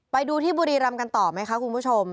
ไปดูที่บุรีรำกันต่อไหมคะคุณผู้ชม